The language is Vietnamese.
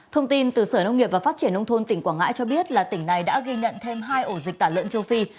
thông tin từ sở nông nghiệp và phát triển nông thôn tỉnh quảng ngãi cho biết là tỉnh này đã ghi nhận thêm hai ổ dịch tả lợn châu phi